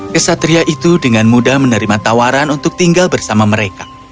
kesatria itu dengan mudah menerima tawaran untuk tinggal bersama mereka